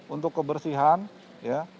untuk kebersihan ya